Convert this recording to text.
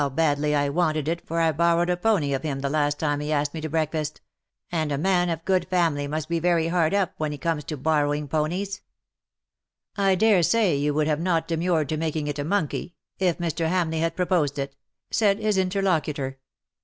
badly I wanted it^ for I borrowed a pony of him tbe last time he asked me to breakfast ; and a man of good family must be very hard up when he comes to borrowing ponies/^ "I dare say you would have not demurred to making it a monkey, if Mr. Hamleigh had pro posed it/^ said his interlocutor.